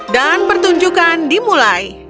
dan pertunjukan dimulai